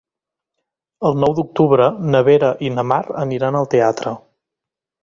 El nou d'octubre na Vera i na Mar aniran al teatre.